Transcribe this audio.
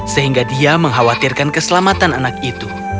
sehingga dia mengkhawatirkan keselamatan anak itu